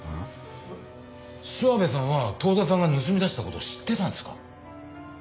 諏訪部さんは遠田さんが盗み出した事を知ってたんですか？